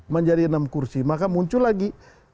menjadi enam kursi maka muncul lagi